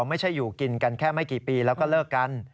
ไม่ใช่อยู่กินกันแค่ไม่กี่ปีแล้วก็เลิกกัน